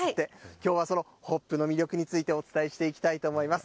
きょうはそのホップの魅力について、お伝えしていきたいと思います。